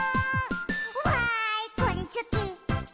「わーいこれすき！